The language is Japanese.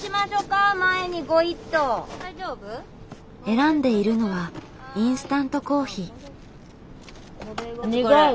選んでいるのはインスタントコーヒー。